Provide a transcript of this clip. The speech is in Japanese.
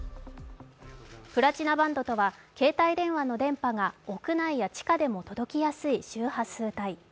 プラチナバンドとは携帯電話の電波が屋内や地下でも届きやすい周波数帯。